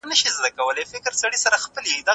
علمي ټولپوهنه په معاصر دوران کي وده وکړه.